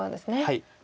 はい。